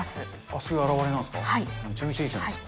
そういう表れなんですか。